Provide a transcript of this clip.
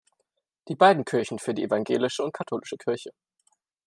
Die beiden Kirchen für die evangelische- und katholische Kirche“.